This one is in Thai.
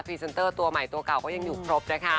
รีเซนเตอร์ตัวใหม่ตัวเก่าก็ยังอยู่ครบนะคะ